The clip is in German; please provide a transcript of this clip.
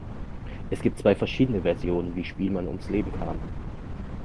Es gibt zwei verschiedene Versionen, wie Spielmann ums Leben kam.